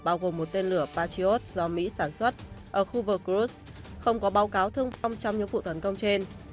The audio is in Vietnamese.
bao gồm một tên lửa patriot do mỹ sản xuất ở khu vực khrushchev không có báo cáo thương phong trong những vụ thấn công trên